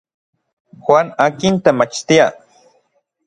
Juan akin temachtia.